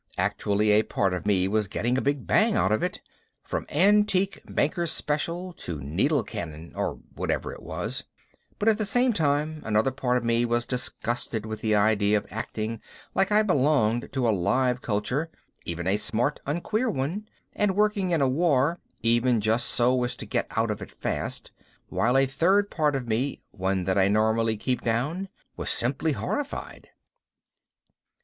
Actually a part of me was getting a big bang out of it from antique Banker's Special to needle cannon (or whatever it was) but at the same time another part of me was disgusted with the idea of acting like I belonged to a live culture (even a smart, unqueer one) and working in a war (even just so as to get out of it fast), while a third part of me one that I normally keep down was very simply horrified.